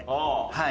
はい。